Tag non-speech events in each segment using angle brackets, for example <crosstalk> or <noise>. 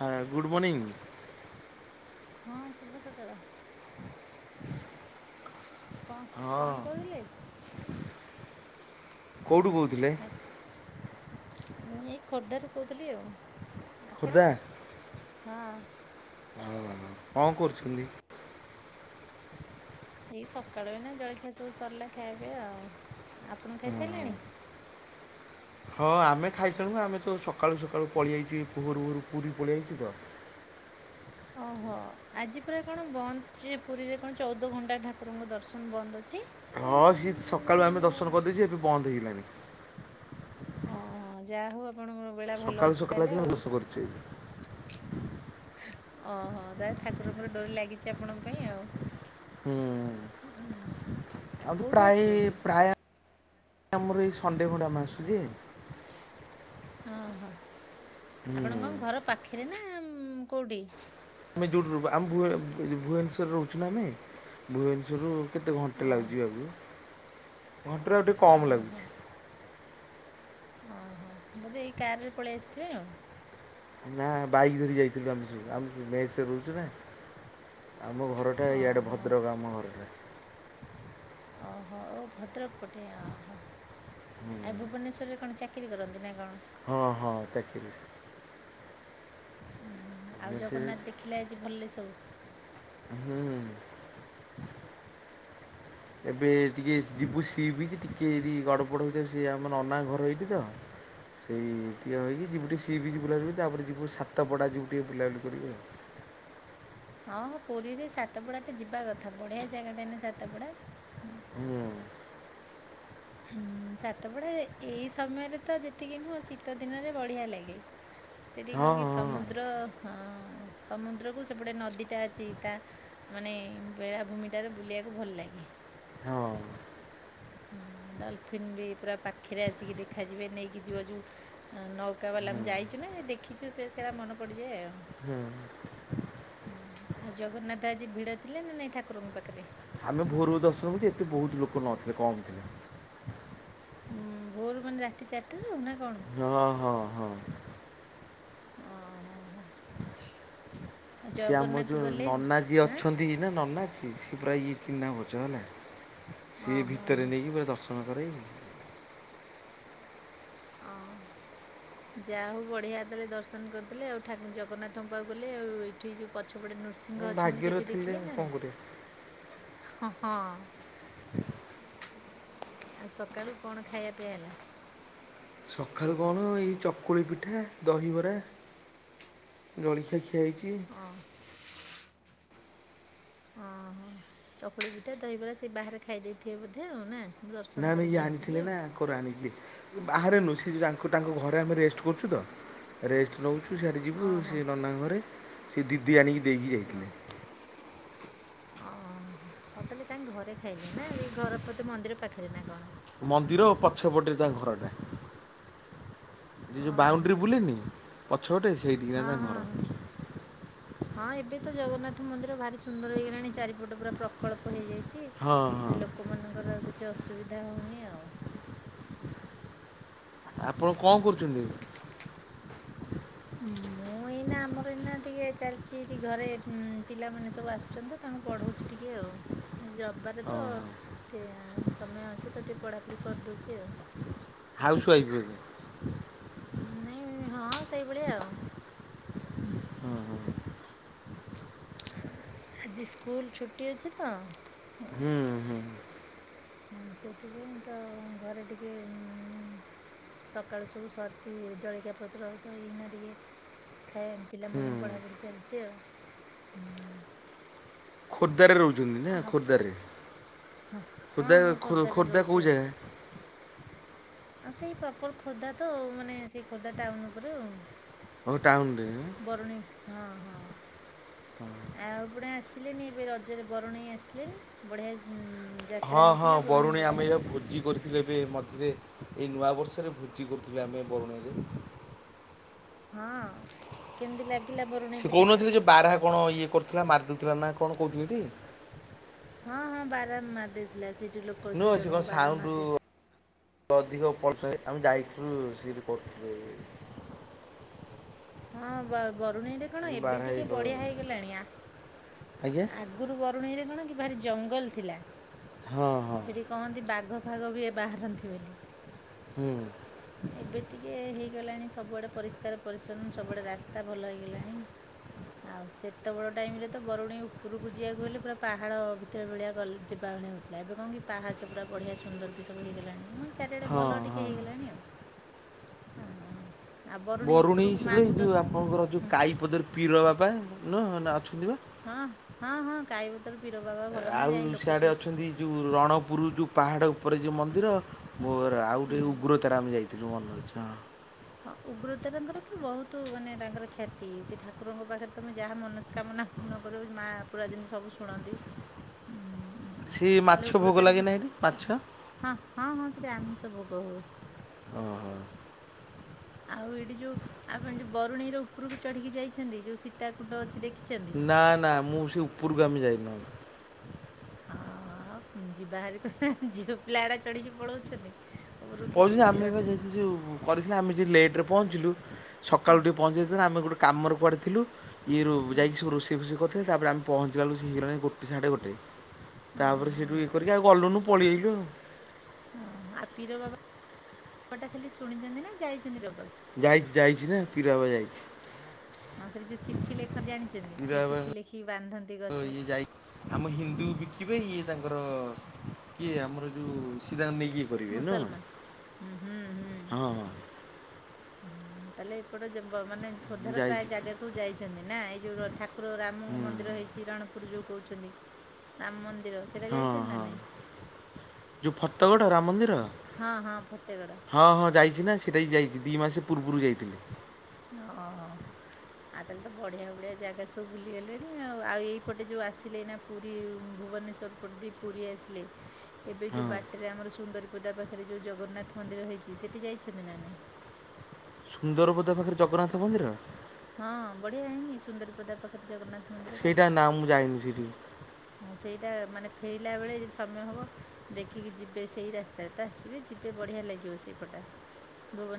ହାଏ ଗୁଡ଼ ମର୍ଣ୍ଣିିଂ। ହଁ ଶୁଭସକାଳ। କ'ଣ କ'ଣ ହଁ କହୁଥିଲେ କୋଉଠୁ କହୁଥିଲେ? ମୁଁ ଏଇ ଖୋର୍ଦ୍ଧାରୁ କହୁଥିଲି ଆଉ। ଆପଣ? ଖୋର୍ଦ୍ଧା? ହଁ। ଆଉ-ଆଉ-ଆଉ କଣ କରୁଛନ୍ତି? ଏଇ ସକାଳୁ ଏଇନା ଜଳଖିଆ ସବୁ ସରିଲା ଖାଇବା ପିୟା ଆଉ। ଆପଣ ହଁ ଖାଇସାରିଲେଣି? ହଁ ଆମେ ଖାଇସାରିଲୁନି ଆମେ ତ ସକାଳୁ ସକାଳୁ ପଳେଇ ଆଇଛୁ ଭୋରୁ ଭୋରୁ ପୁରୀ ପଳେଇ ଆଇଚୁ ତ। ଓହୋ ଆଜି ପୁରା କଣ ବନ୍ଦ ଯେ ପୁରୀରେ କଣ ଚଉଦ ଘଣ୍ଟା ଠାକୁରଙ୍କ ଦର୍ଶନ ବନ୍ଦ ଅଛି। ହଁ ସିଏ ସକାଳୁ ଆମେ ଦର୍ଶନ କରିଦେଇଛୁ ଏବେ ବନ୍ଦ ହେଇଗଲାଣି। ଓହ ଯାହା ହଉ ଆପଣଙ୍କର ବେଳା ଭଲ ସକାଳୁ ଅଛି ସକାଳୁ ତାହେଲେ ଆଜି ଆଉ ନା <inaudible> କରୁଛି। ଅହ ତାହେଲେ ଠାକୁରଙ୍କର ଡୋରି ଲାଗିଛି ଆପଣଙ୍କ ପାଇଁ ଆଉ। ହୁଁ ଆଉ କେଉଁଠୁ ପ୍ରାୟି ଆସିଲେ କି ପ୍ରାୟ ଆମର ଏଇ ସଣ୍ଡେ ଖଣ୍ଡେ ଆମେ ଆସୁ ଯେ। ଅଁହ ହୁଁ ଆପଣଙ୍କ ଘର ପାଖେରେ ନା କୋଉଠି? ଆମେ ଯୋଉଠୁ ରଇବୁ ଆମେ ଭୁ-ଭୁବନେଶ୍ୱର ରେ ରହୁଛୁ ନା ଆମେ ଭୁବନେଶ୍ୱରରୁ କେତେ ଘଣ୍ଟେ ଲାଗୁଛି ଯିଆକୁ ଘଣ୍ଟାରୁ ଆଉ ଟିକେ କମ୍ ଲାଗୁଛି। ଅହ ବୋଧେ ଏଇ କାରରେ ପଳେଇ ଆସିଥିବେ ଆଉ। ନା ବାଇକ ଧରି ଯାଇଥିଲୁ ଆମେ ସବୁ ଆମେ ମେସ୍ ରେ ରହୁଛୁ ନା। ଆମ ଘରଟା ଇଆଡେ ଓହୋ ଭଦ୍ରକ ଆମ ଘରଟା ଓହୋ ଓ ଭଦ୍ରକ ପଟେ ଅହ ହୁଁ ଆ ଭୁବନେଶ୍ୱରରେ କଣ ଚା କିରି କରନ୍ତି ନା କଣ? ହଁ ହଁ ଚାକିରି। ଉଁ ଆଉ ସେ ଜଗନ୍ନାଥ ଦେଖିଲେ ଆଜି ଭଲରେ ସବୁ? ହୁଁ। ଏବେ ଟିକେ ଯିବୁ ସିବିଚ୍ ଟିକେ ଏଠି ଗଡ ପଡ ହଉଚେ ସିଏ ଆମ ନନା ଘର ଏଇଠି ତ। ସେଇ ଟିକେ ହେଇକି ଯିବୁ ଟିକେ ସିବିଚ୍ ବୁଲାବୁଲି ତାପରେ ଯିବୁ ସାତପଡା ଯିବୁ ଟିକେ ବୁଲାବୁଲି କରିବୁ ଆଉ। ହଁ ହଁ ପୁରୀରେ ସାତପଡା ଟା ଯିବା କଥା ବଢିଆ ଜାଗାଟା ନା ସାତପଡା ହୁଁ। ହୁଁ। ହୁଁ ସାତପଡ଼ା ଏ-ଏଇ ସମୟରେ ତ ଯେତିକି ନୁହଁ ଶୀତ ଦିନରେ ବଢ଼ିଆ ଲାଗେ। <unintelligible> ସେଠି କଣ କି ସମୁଦ୍ର ହ ସମୁଦ୍ରକୁ ସେପଟେ ନଦୀଟା ଅଛି ତା ମାନେ ବେଳାଭୂମିଟାରେ ବୁଲିବାକୁ ଭଲ ଲାଗେ। ହଁ। ହଁ ଡଲଫିନ୍ ବି ପୁରା ପାଖେରେ ଆସିକି ଦେଖାଯିବେ ନେଇକି ଯିବ ଯୋଉ। ନୌକା ବାଲା ହୁଁ ମୁ ଯାଇଛୁ ନା ଦେଖିଛୁ ସେ ସେଇଟା ମନେ ପଡିଯାଏ ଆଉ ହୁଁ ହ ଆଉ ଜଗନ୍ନାଥ ଆଜି ଭିଡ଼ ଥିଲେ ନା ନାଇଁ ଠାକୁରଙ୍କ ପାଖରେ ଆମେ ଭୋର ଦର୍ଶନ ଏତେ ବହୁତ ଲୋକ ନଥିଲେ କମ ଥିଲେ ଉଁ ଭୋରରୁ ମାନେ ରାତି ଚାରିଟା ରେ ନା କଣ? ହଁ ହଁ ହଁ ଓହୋ ହୋ। ଆଉ ସିଏ ଆମ ଜଗନ୍ନାଥ ଯୋଉ ଗଲେ ଯେ- ନନା ଯିଏ ହାଁ ଅଛନ୍ତି ନା ନ ନାଚଛି ସିଏ ପୁରା ଇଏ ଚିହ୍ନା ପରୁଛ ହେଲା ସିଏ ଓହୋ ଭିତରେ ହୋ ନେଇକି ପୁରା ଦଶ <inaudible> ହଁ ଯାହା ହଉ ବଢିଆ ଦେଲେ ଦର୍ଶନ କରିଦଲେ ଆଉ ଜଗନ୍ନାଥଙ୍କ ପାକୁ ଗଲେ ଆଉ ଏଇଠି ଯୋଉ ପଛପଟେ ନୃ ହ ଅଛନ୍ତି ଭାଗ୍ୟରେ ସେଠି ଥିଲେ ଦେଖିଲେ ନା କଣ ନାହିଁ? କରିବା। ଆଉ ସକାଳୁ କଣ ଖାଇବା ପିଇବା ହେଲା? ସକାଳୁ କଣ ଏଇ ଚକୁଳି ପିଠା ଦହିବରା। ଜଳଖିଆ ଖିଆ ହେଇଚି। ହଁ। ଅ ହଁ ଚକୁଳି ପିଠା ଦହିବରା ସେ ବାହାରେ ଖାଇ ଦେଇଥିବେ ବୋଧେ ଆଉ ନା। ମୁଁ ଦର୍ଶନ କରିକି ଆସିକି ଆଉ- ଖରୁ ଆଣିକି ବାହାରେ ନୁ ସେ ଯ ତାଙ୍କ ଘରେ ଆମେ ରେଷ୍ଟ କରୁଛୁ ତ ରେଷ୍ଟ ନଉ ଚୁ ସିଆଡ଼େ ଯିବୁ ସେ ଓହୋ ନନାଙ୍କ ଘରେ ସେ ଦିଦି ଆଣିକି ଦେଇକି ଯାଇଥିଲେ। ଓହ ହଉ ତାହେଲେ ତାଙ୍କ ଘରେ ଖାଇଲେ ନା ଏଇ ଘର ବଧେ ମନ୍ଦିର ପାଖରେ ନା କଣ। ମନ୍ଦିର ଓ ପଛପଟରେ ତାଙ୍କ ଘରଟା। ଯ ଯୋଉ ଓହୋ ବାଉଣ୍ଡରି ବୁଲିନି ପଛ ପଟେ ସେଇଠି ନା ହଁ ତାଙ୍କ ହଁ ହଁ ଘର। ହଁ ଏବେ ତ ଜଗନ୍ନାଥ ମନ୍ଦିର ଭାରି ସୁନ୍ଦର ହେଇଗଲାଣି ଚାରିପଟ ପୁରା ପ୍ରକଳ୍ପ ହେଇଯାଇ ହଁ ହଁ। ଚି ଲୋକମାନଙ୍କର ଆଉ କିଛି ଅସୁବିଧା ହେଉନି ଆଉ। ଆପଣ କଣ କରୁଛନ୍ତି ଏବେ। ମୁଁ ଏଇନା ଆମର ଏଇନା ଟିକେ ଚାଲିଛି ଟିକେ ଘରେ ପିଲାମାନେ ସବୁ ଆସୁ ଛନ୍ତି ତ ତାଙ୍କୁ ପଢୋଉଛି ଟିକେ ଆଉ ଆଜି ରବିବାରେ ତ ଟିକେ ସମୟ ଅଛି ତ ଟିକେ ପଢ଼ାପଢ଼ି କରିଦେଉଚି ଆଉ। ହାଉସ୍ ୱାଇଫ୍ ବଧେ। ହୁଁ ନାଇଁ ହଁ ସେଇଭଳିଆ ଆଉ ହୁଁ। ଆଜି ସ୍କୁଲ ଛୁଟି ଅଛି ତ ହୁଁ ହୁଁ ହୁଁ ହଁ ସେଥିପାଇଁ ତ ଘରେ ଟିକେ ସକାଳୁ ସବୁ ସରିଛି ଜଳକିଆ ପତ୍ର ତ ଏଇନା ଟିକେ ଖାଇବା ମ ପିଲାମାନଙ୍କୁ ପଢ଼ାପଢ଼ି ଚାଲିଛି ଆଉ। ଖୋର୍ଦ୍ଧାରେ ରହୁଛନ୍ତି ନା ଆ- ଖୋର୍ଦ୍ଧାରେ ହଁ ହଁ ଖୋର୍ଦ୍ଧା ହଁ ଖୋର୍ଦ୍ଧାରେ ଖୋର୍ଦ୍ଧା ରହୁଛି କୋଉ ଜାଗା। ଆ ସେଇ ପ୍ରପର ଖୋର୍ଦ୍ଧା ତ ମାନେ ସେଇ ଖୋର୍ଦ୍ଧା ଟାଉନ ଉପରେ ଆଉ। ହଉ ଟାଉନରେ ବରୁଣେଇ ହଁ ହଁ। ହଁ। ଆଉ ପଣ ଆସିଲେନି ଏବେ ରଜରେ ବରୁଣେଇ ଆସିଲେନି ବଢ଼ିଆ ହେଇ ହଁ ହଁ ବରୁଣେଇ ଆମେ ଏଇଆ ଭୋଜି କରି ଥିଲେ ଏବେ ମଝିରେ ଏଇ ନୂଆବର୍ଷରେ ଭୋଜି କରୁଥିଲୁ ଆମେ ବରୁଣେଇରେ। ହଁ କେମିତି ଲାଗ ସେ କହୁନଥିଲେ ଯେ ବାରହା କଣ ଇଏ କରୁଥିଲା ମାରିଦେଉଥିଲା ନା କଣ କହୁଥିଲେ ଟି। ହଁ ହଁ ବାରାହା ମାରି ଦେଇଥିଲା ସେଇଠୁ ଲୋକ ନୁହଁ ଦୁଇ ସେ କଣ ଜଣଙ୍କୁ ବାରା ସାଉଣ୍ଡୁ ମାରିଦେଇଥିଲା ଅଧିକ ପ ଥାଏ ଆମେ ଯାଇଥିଲୁ ସେଇଠି କରୁଥିଲୁ ଏଇ ହଁ ବ ବରୁଣେଇରେ କଣ ଏବେ ବାରାହା ଟିକେ ଇଏ କ ବଢିଆ ହେଇଗଲାଣି ଆ ଆଜ୍ଞା ଅଗ୍ ଗୁରୁ ବରୁଣେଇରେ କଣ କି ଭାରି ଜଙ୍ଗଲ ଥିଲା ହଁ ହଁ ସେଠି କହନ୍ତି ବାଘ ଫାଗ ବି ଏ ବାହାରନ୍ତି ବୋଲି। ହୁଁ। ଏବେ ଟିକେ ହେଇଗଲାଣି ସବୁଆଡ଼େ ପରିଷ୍କାର ପରିଚ୍ଛନ୍ନ ସ ବୁଆଡ଼େ ରାସ୍ତା ଭଲ ହେଇଗଲାଣି। ଆଉ ସେତେବେଳ ଟାଇମ୍ରେ ତ ବରୁଣେଇ ଉପରକୁ ଯିବାକୁ ହେଲେ ପୁରା ପାହାଡ଼ ଭିତରେ ଭଳିଆ ଗଲେ ଯିବା ଭଳିଆ ହେଉ ଥିଲା ଏବେ କଣ କିି ପାହାଚ ପୁରା ବଢ଼ିଆ ସୁନ୍ଦର ବି ସବୁ ହେଗଲାଣି ମାନେ ଚାରିଆଡ଼େ ହଁ ଭଲ ଟିକେ ହଁ ହେଇଗଲାଣି ଆଉ। <inaudible> ହଁ ହ ଆଉ ବରୁଣେଇ ଉପରୁକୁ ଲେ ଏ ଯଉ ଆପଣଙ୍କର ଯୋଉ କାଈପଦର ପିର ବାବା ନୁହଁ ନା ଅଛନ୍ତି ବା। ହଁ ହଁ ହଁ କାଇ ପତର ପିର ବାବା ଭଲ ନା ଆଉ ଯାଇ ଲୋକ ସିଆଡ଼େ ସବୁ ଅଛନ୍ତି ଯୋଉ ରଣପୁର ଯୋଉ ପାହାଡ଼ ଉପରେ ଯେଉ ମନ୍ଦିର। ମୋର ଆଉ ଗୋଟେ ଉଗ୍ରତାରା ଆମ ଯାଇଥିଲୁ ମନେ ଅଛି ହଁ। ହଁ ଉଗ୍ରତାରଙ୍କର ତ ବହୁତ ମାନେ ତାଙ୍କର ଖ୍ୟାତି ସେ ଠାକୁରଙ୍କ ପାଖରେ ତମେ ଯାହା ମନସ୍କାମନା ପୂର୍ଣ୍ଣ କର ମାଆ ପୁରା ଜିନିତି ସବୁ ଶୁଣନ୍ତି। ସି ତାହେଲେ ମାଛ ଭୋଗ ଉଗ୍ରତାରେ ବି ଲାଗେ ନା ହେଟି ମାଛ। ହଁ ହଁ ହଁ ସେଠି ଆମିସ ଭୋଗ ହୁଏ। ହ ହୋ ଆଉ ଏଇଠି ଯୋଉ ଆପଣ ଯୋଉ ବରୁଣେଇ ର ଉପରକୁ ଚଢିକି ଯାଇଛନ୍ତି ଯୋଉ ସୀତା କଣ୍ଡ ଅଛି ଦେଖି ନା ନା ମୁଁ ସେ ଉପରୁ ଆମେଯାଇନୁ ହଁ ଯିବା ହୋରି କ ଝିଅ ପିଲା ଏଡା ଚଢିକି ପଳଉଛନ୍ତି <unintelligible> କରିଥିଲେ ଆମେ ଯିଏ ଲେଟ ପହଞ୍ଚିଲୁ ସକାଳୁ ଉଠି ପହଞ୍ଚିଯାଇ ଦେଇଥିଲୁ ଆମେ ଗୋଟେ କାମର କୁଆଡେଥିଲୁ ଇଏରୁ ଯାଇକି ସବ ରୋଷେଇ ଫୋଷଇ କରିଥିଲେ ତାପରେ ଆମେ ପହଞ୍ଚଲରୁ ହେଇଗଲାଣି ଗୋଟେ ସାଢ଼େ ଗୋଟେ ହଁ ତାପରେ ହଁ ସେଇଠୁ ଇଏ କରିକିଉ ଗଲୁନୁ ପଳେଇ ଆଇଲୁ ଆଉ ହଁ ଆପିର ବାବାଟା ଖାଲି ଶୁଣିଛନ୍ତି ନା ଯାଇଛନ୍ତିରବାବ ଯାଇଛି ଯାଇଛି ନା ପିରା ଭବା ଯାଇଛି। ହଁ ସେଠି ଯୋଉ ଚିଠି ଲେଖ ଜାଣିଛନ୍ତି ପିରା ଯୋଉ ଚିଠି ବାବା ଲେଖିକି ବାନ୍ଧନ୍ତି ଗ ଇଏ ଯାଇକି ଆମ ହିନ୍ଦୁ ବିକିବେ ଇଏ ତାଙ୍କର କିଏ ଆମର ଯୋଉ ସିରାମ ନେଇକିଏ କରିବେ ନୁହ ମୁସଲମାନ ହୁଁ ହୁଁ ହୁଁ ହଁ ହଁ ତାହେଲେ ଏପଟେ ଯ ମାନେ ଖୋର୍ଦ୍ଧାରେ ପ୍ରାୟ ଯାଇଛି ଜାଗା ସବୁ ଯାଇଛନ୍ତି ନା ଏଇ ଯୋଉ ଠାକୁର ଠାକୁର ରାମଙ୍କ ହୁଁ ମନ୍ଦିର ହେଇଛି ରଣପୁର ଯଉ କହୁଛନ୍ତି ରାମ ମନ୍ଦିର ସେଇଟା ହଁ ଯାଇଛନ୍ତି ନା ହଁ। ନାହିଁ ଯୋଉ ଫତଗଡ ରାମ ମନ୍ଦିର ହଁ ହଁ ଫତେଗଡ଼ ହଁ ହଁ ଯାଇଛି ନା ଦେଇ ଯାଇଥିଲି ଦୁଇ ମାସ ପୂର୍ବରୁ ଯାଇଥିଲି। ହ ହ ଆଉ ତାହେଲେ ତ ବଢିଆ ବଢିଆ ଜାଗା ସବୁ ବୁଲିଗଲେଣି ଆଉ ଆଉ ଏଇପଟେ ଯୋଉ ଆସିଲେ ନା ପୁରୀ ଭୁବନେଶ୍ୱର ପଟଦି ପୁରୀ ଆସିଲେ ଏବେ ହଁ ଯୋଉ ବାଟରେ ଆମର ସୁନ୍ଦରୀପଦା ପାଖରେ ଯଉ ଜଗନ୍ନାଥ ମନ୍ଦିର ହେଇଛି ସେଠି ଯାଇଛନ୍ତି ନା ନାଇଁ ସୁନ୍ଦରବଦ ପାଖରେ ଜଗନ୍ନାଥ ମନ୍ଦିର ହଁ ବଢିଆ ହେଇନି ସୁନ୍ଦରପଦା ପାଖରେ ଜଗନ୍ନାଥ ମନ୍ଦିରଟା ସେଇଟା ନାମୁଁ ଯାଇନି ସେଠିକି ହଁ ସେଇଟା ମାନେ ଫେରିଲା ବେଳେ ଯଦି ସମୟ ହବ ଦେଖିକି ଯିବେ ସେଇ ରାସ୍ତାରେ ତ ଆସିବେ ଯିବେ ବଢ଼ିଆ ଲାଗିବ ସେଇପଟା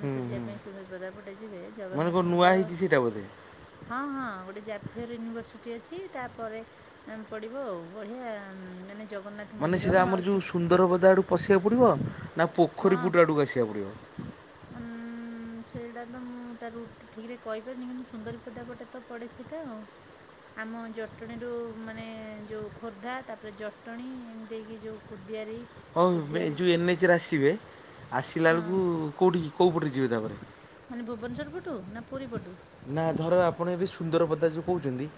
ହୁଁ ଯିବା ହୁଁ ପାଇଁ ସୁନ୍ଦରବଦା ପଟେ ଯିବେ ମାନେ କଣ ଜଗନ୍ନାଥ ନୂଆ ମନ୍ଦିର ହେଇଛି ସେଇଟା ବୋଧେ। ହଁ ହଁ ଗୋଟେ ଜାଫିୟର ୟୁନିଭର୍ସିଟି ଅଛି ତାପରେ ଉଁ, ପଡ଼ିବ ଆଉ ବଢ଼ିଆ ମାନେ ଜଗନ୍ନାଥ ମାନେ ମନ୍ଦିର ସେଇଟା ଆମର ମାଉସୀ ଯେଉଁ ସୁନ୍ଦର ବଦା ଆଡ଼କୁ ପଶିବାକୁ ପଡ଼ିବ ନା ପୋଖରୀ ପୁଟ ଆଡ଼କୁ ଆସିବାକୁ ପଡ଼ିବ। ହନ୍ ସେଇଟା ତ ମୁଁ ତା ରୁଟା ଠିକ ରେ କହିପାରିନି କିନ୍ତୁ ସୁନ୍ଦରୀ ପଦା ପଟେ ତ ପଡେ ସେଇଟା ଆଉ ଆମ ଜଟଣୀରୁ ମାନେ ଯେଉଁ ଖୋର୍ଦ୍ଧା ତାପରେ ଜଟଣୀ ଏମିତି ହେଇକି ଯେଉଁ କୁଦିଆରି ହଉ କୁଦିଆରି ଯେଉଁ ଏନ୍ଏଚରେ ଆସିବେ ଆସିଲା ହଁ ବେଳକୁ କେଉଁଠି କେଉ ପଟେ ଯିବେ ତାପରେ ମାନେ ଭୁବନେଶ୍ୱର ପଟୁ ନା ପୁରୀ ପଟୁ ନା ଧର ଆପଣ ଏବେ ସୁନ୍ଦର ପଦା ଯୋଉ କହୁଛନ୍ତି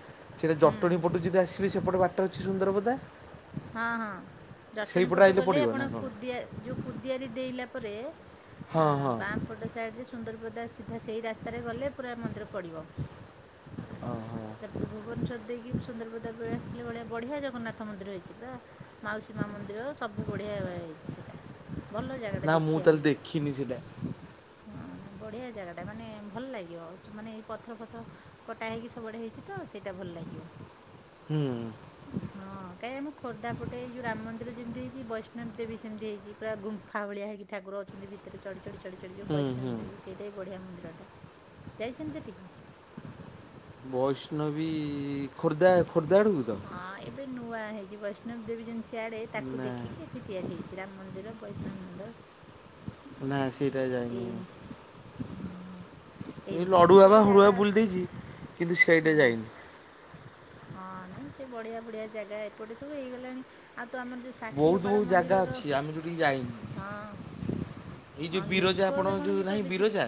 ସେଟା ହୁଁ ଜଟଣୀ ଟୁ ଯଦି ଆସିବେ ସେପଟ ବାଟ ଅଛି ସୁନ୍ଦରବଦା ହଁ ହଁ ଜଟଣୀ ସେଇପଟେ ପଟୁ ଆଇଲେ କଲେ ପଡ଼ିବ ନା ଆପଣ କ'ଣ କୁଦିଆ ଯେଉଁ କୁଦିଆରି ଦେଇଲା ପରେ ହଁ ହଁ ବାଁପଟ ସାଇଡ଼ରେ ସୁନ୍ଦରବଦା ସିଧା ସେଇ ରାସ୍ତାରେ ଗଲେ ପୁରା ମନ୍ଦିର ପଡ଼ିବ ଆ ହଁ ହଁ ସେପଟେ ଭୁବନେଶ୍ୱର ଦେଇକି ସୁନ୍ଦରବଦା ବେଳେ ଆସିଲେ ଭଳିଆ ବଢ଼ିଆ ଜଗନ୍ନାଥ ମନ୍ଦିର ହେଇଛି। ପୁରା ମାଉସୀ ମା ମନ୍ଦିର ସବୁ ବଢିଆ ହେଇଛି ସେଇଟା ଭଲ ଜାଗାଟା ନା ମୁଁ ତାହେଲେ ଦେଖିବାକୁ ଦେଖିନି ସେଇଟା ହଁ ବଢ଼ିଆ ଜାଗାଟା ମାନେ ଭଲ ଲାଗିବ ମାନେ ଏଇ ପଥର ଫଥର କଟା ହେଇକି ସବୁଆଡେ ହେଇଛି ତ ସେଇଟା ଭଲ ଲାଗିବ ହୁଁ ହଁ କାଇ ମୁ ଖୋର୍ଦ୍ଧା ପଟେ ଏ ଯେଉ ରାମ ମନ୍ଦି ଯେମତି ହେଇଛି ବୈଷ୍ଣବ ଦେବୀ ସେମିତି ହେଇଛି ପୁରା ଗୁମ୍ଫା ଭଳି ହୋଇକି ଠାକୁର ଅଛନ୍ତି। ଏରେ ଚଢି ଚଢ଼ି ଚଢି ଚଢ଼ି ଯେଉ ହୁଁ ବୈଷ୍ଣବ ହୁଁ ଦେବୀ ସେଇଟା ବି ବଢ଼ିଆ ମନ୍ଦିରଟା ଯାଇଛନ୍ତି ସେଠିକି ବୈଷ୍ଣବୀ ଖୋର୍ଦ୍ଧା ଖୋର୍ଦ୍ଧା ଆଡକୁ। ହଁ ଏ ଏବେ ନୂଆ ହେଇଛି ବୈଷ୍ଣବ ଦେବୀ ଯେମିତିି ଶିଆଡ଼େ ତାକୁ ନା ଦେଖିକି ଏଠି ତିଆରି ହୋଇଛି ରାମ ମନ୍ଦିର ବୈଷ୍ଣବ ମନ୍ଦିର। ନା ସେଟା ଯାଇନି। ଏଇ ହଁ ଏ ଏମିତି ସବୁ ଗୋଟେ ଲଡ଼ୁଆ ବା ଗୋଟେ ହୁଡ଼ୁଆ ଜାଗା ବୁଲି ଅଛି ଦେଇେଇଛି କିନ୍ତୁ ସେ ଏଇଟା ଯାଇନି। ହଁ ନାଇଁ ସେ ବଢିଆ ବଢିଆ ଜାଗା ଏପଟେ ସବୁ ହେଇଗଲାଣି ଆଉ ତ ଆମର ଯୋଉ ବହୁତ ବହୁତ ଜାଗା ଅଛି ଆମେ ଯଉଠିକ ହଁ ଯାଇନୁ। ଏଇ ହଁ ଯୋଉ ଲୋକ ବିରଜା ଏବେ ଆପଣଙ୍କ କ'ଣ କି ଯୋଉ ସବୁ ନାହିଁ ବେଶୀ ବିରଜା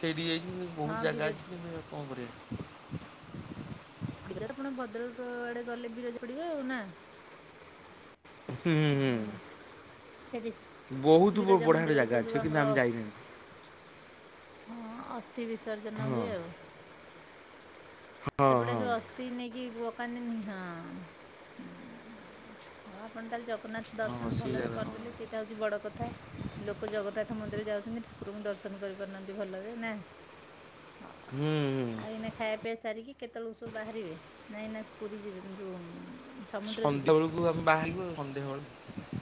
ସେଇଠିକି ଯାଇଥିନି ହଁ ବହୁତ ଜାଗା ବିରଜା ଅଛି କିନ୍ତୁ କଣ କରିବେ। ବିରଜା ଆପଣ ଭଦ୍ରକ ଆଡେ ଗଲେ ବିରଜା ପଡିବ ଆଉ ନା। ହୁଁଁ ହୁଁ। ସେଇଠି ବହୁତ ବ- ବିରଜା ବଢ଼ିଆ ବଢ଼ିଆ ମନ୍ଦିରରେ ଜାଗା ତ ଅଛି ସବୁ କିନ୍ତୁ ଆମେ ଆମର ଯାଇନାହିଁ ହଁ ଅସ୍ଥି ବିସର୍ଜନ ହଁ ହୁଏ ଆଉ। ହଁ ସେପଟେ ହଁ ସବୁ ଅସ୍ଥି ନେଇକି ପକାନ୍ତିନି ହଁ। ହଁ ଆପଣ ତାହେଲେ ଜଗନ୍ନାଥ ହଁ ଦର୍ଶନ ସେଇ ଭଲରେ ଜାଗା ହଁ କରିଦେଲେ ସେଇଟା ହେଉଛି ବଡ଼ କଥା। ଲୋକ ଜଗନ୍ନାଥ ମନ୍ଦିର ଯାଉଛନ୍ତି ଠାକୁରଙ୍କୁ ଦର୍ଶନ କରିପାରୁନାହାନ୍ତି ଭଲରେ ନା। ହୁଁ ହଁ। ଆଉ ଏଇନା ଖାଇବା ପିଇ ସାରିକି କେତେବେଳୁ ସବୁ ବାହାରିବେ ନାଇଁ ନା ପୁରୀ ଯିବେ ଯଉ। ସନ୍ଧ୍ୟାବେଳକୁ ଆମେ ବାହାରିବୁ ଆ ସନ୍ଧ୍ୟାବେଳ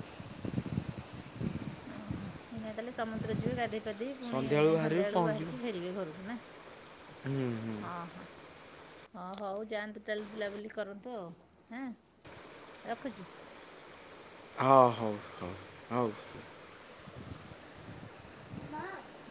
ଓହୋ ଏଇନା ତାହେଲେ ସମୁଦ୍ର ଯିବେ ଗାଧୋଇ ପଦେଇ ପୁଣି ସନ୍ଧ୍ୟାବେଳକୁ ଯାଇ ବାହାରିବୁ ସନ୍ଧ୍ୟା ବେଳକୁ ପହଞ୍ଚିବୁ ବାହାରିକି ଫେରିବେ ଘରକୁ ନା। ହୁଁ ହୁଁ ହଁ ହଁ। ହଁ ହଉ ଯାଆନ୍ତୁ ତାହେଲେ ବୁଲାବୁଲି କରନ୍ତୁ ଆଉ ହେଁ ରଖୁଛି। ହଉ ହଉ ହଉ ହଉ ହଉ। ନା